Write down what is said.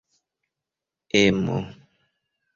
emo